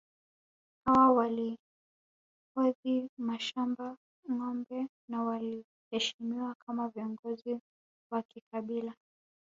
Hawa walihodhi mashamba ngombe na waliheshimiwa kama viongozi wa kikabila